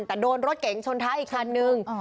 แต่โดนรถเก๋งชนท้ายอีกคันนึง